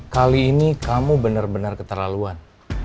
kali ini kamu bener bener keterlaluan